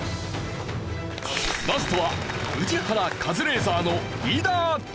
ラストは宇治原カズレーザーのリーダー対決。